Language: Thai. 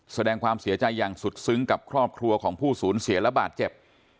แสดงความเสียใจอย่างสุดซึ้งกับครอบครัวของผู้สูญเสียและบาดเจ็บ